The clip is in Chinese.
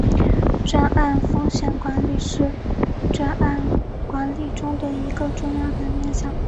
专案风险管理是专案管理中一个重要的面向。